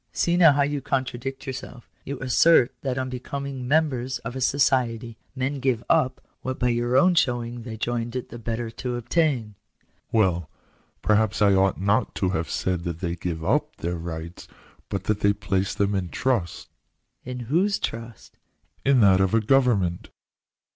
" See now how you contradict yourself. You assert that on becoming members of a society, men give up, what by your own showing they joined it the better to obtain !"" Well, perhaps I ought not to have said that they ' give up' their rights, but that they place them in trust." " In whose trust ?"" In that of a government."